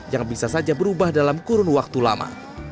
yang bisa saja berubah dalam kurun waktu lama